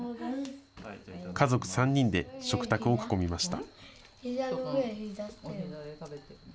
家族３人で食卓を囲みました。